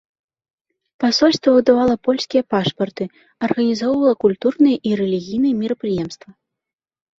Пасольства выдавала польскія пашпарты, арганізоўвала культурныя і рэлігійныя мерапрыемствы.